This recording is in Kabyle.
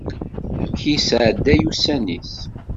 Amek i yesɛedday ussan-is?